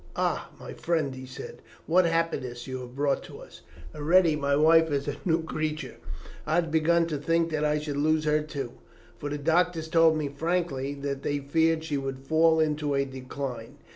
"Ah, my friend," he said, "what happiness have you brought to us. Already my wife is a new creature. I had begun to think that I should lose her too, for the doctors told me frankly that they feared she would fall into a decline.